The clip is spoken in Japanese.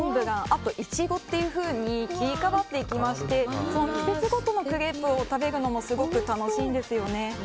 あとイチゴっていうふうに切り替わっていきまして季節ごとのクレープを食べるのもすごく楽しいんですよね。